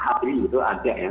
hb itu ada ya